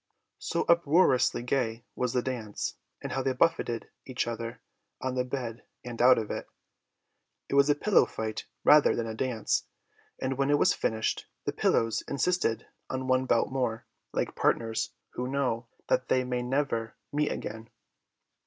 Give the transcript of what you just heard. So uproariously gay was the dance, and how they buffeted each other on the bed and out of it! It was a pillow fight rather than a dance, and when it was finished, the pillows insisted on one bout more, like partners who know that they may never meet again.